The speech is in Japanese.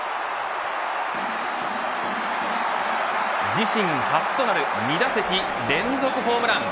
自身初となる２打席連続ホームラン。